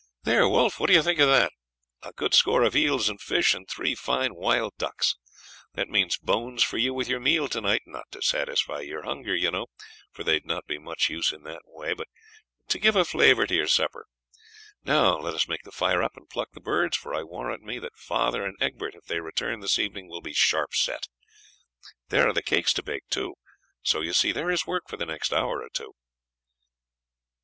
"There, Wolf, what do you think of that? A good score of eels and fish and three fine wild ducks. That means bones for you with your meal to night not to satisfy your hunger, you know, for they would not be of much use in that way, but to give a flavour to your supper. Now let us make the fire up and pluck the birds, for I warrant me that father and Egbert, if they return this evening, will be sharp set. There are the cakes to bake too, so you see there is work for the next hour or two."